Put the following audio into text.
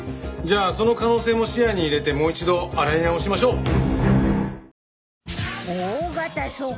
じゃあその可能性も視野に入れてもう一度洗い直しましょう。